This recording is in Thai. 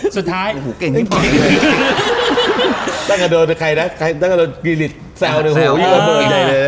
สุดท้ายตั้งโกรธใครนะตั้งโกรธกลีริตแซวในหู